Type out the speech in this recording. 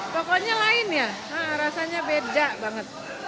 pokoknya lain ya rasanya beda banget